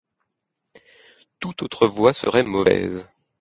Toute autre voie serait mauvaise.